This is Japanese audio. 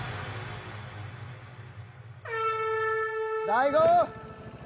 大悟。